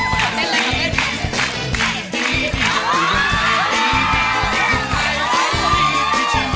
ค่ะแก้มเดี๋ยวก่อนนะฮะ